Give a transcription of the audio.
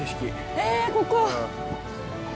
へえここ。